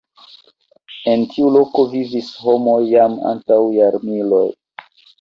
En tiu loko vivis homoj jam antaŭ jarmiloj.